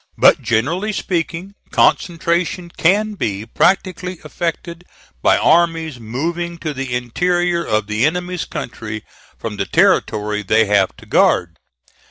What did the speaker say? But, generally speaking, concentration can be practically effected by armies moving to the interior of the enemy's country from the territory they have to guard.